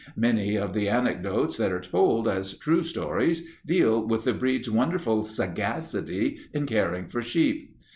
Many of the anecdotes that are told as true stories deal with the breed's wonderful sagacity in caring for sheep.